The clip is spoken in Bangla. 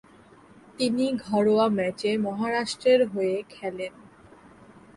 তিনি ঘরোয়া ম্যাচে মহারাষ্ট্রের হয়ে খেলেন।